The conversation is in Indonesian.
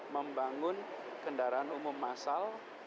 membangun kendaraan umum massal